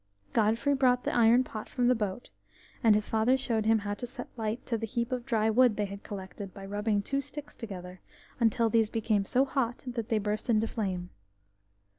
Godfrey brought the iron pot from the boat, and his father showed him how to set light to the heap of dry wood they had collected, by rubbing two sticks together until these became so hot that they burst into flame.